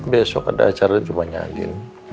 besok ada acara di rumahnya din